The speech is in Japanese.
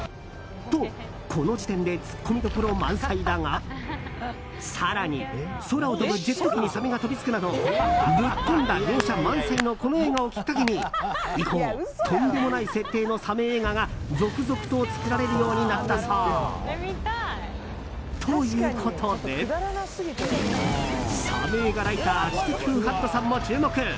と、この時点でツッコミどころ満載だが更に、空を飛ぶジェット機にサメが飛びつくなどぶっ飛んだ描写満載のこの映画をきっかけに以降、とんでもない設定のサメ映画が続々と作られるようになったそう。ということで、サメ映画ライター知的風ハットさんも注目。